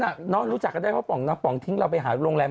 รู้จักก็ได้เพราะป่องน้ำป๋องทิ้งเราไปหาโรงแรม